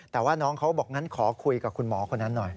แต่ว่าน้องเขาบอกงั้นขอคุยกับคุณหมอคนนั้นหน่อย